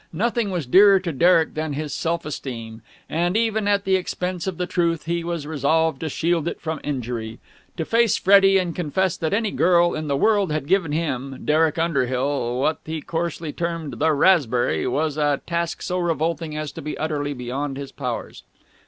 Nothing was dearer to Derek than his self esteem, and, even at the expense of the truth, he was resolved to shield it from injury. To face Freddie and confess that any girl in the world had given him, Derek Underhill, what he coarsely termed the raspberry was a task so revolting as to be utterly beyond his powers.